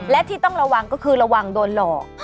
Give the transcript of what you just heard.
และที่ต้องระวังก็คือระวังโดนหลอก